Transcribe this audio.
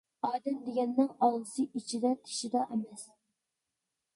-ئادەم دېگەننىڭ ئالىسى ئىچىدە، تېشىدا ئەمەس.